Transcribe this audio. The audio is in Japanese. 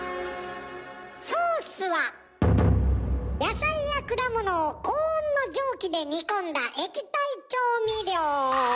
ソースは野菜や果物を高温の蒸気で煮込んだ液体調味料。